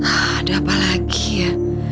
ada apa lagi ya